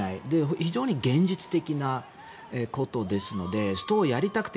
非常に現実的なことですのでストをやりたくて